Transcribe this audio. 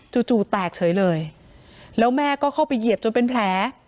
จู่แตกเฉยเลยแล้วแม่ก็เข้าไปเหยียบจนเป็นแผล